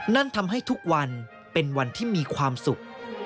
นั่นทำให้ทุกวันเป็นวันที่มีความสุข